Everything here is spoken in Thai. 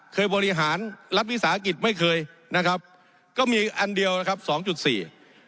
บริหารรัฐวิสาหกิจไม่เคยนะครับก็มีอันเดียวนะครับสองจุดสี่